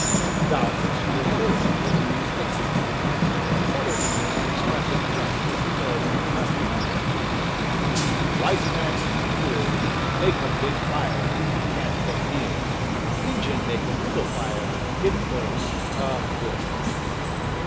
Doubtless you have heard the Indian's dictum (southern Indians express it just as the northern and western ones do): "White man heap fool; make um big fire — can't git near: Injun make um little fire — git close. TJh, good!"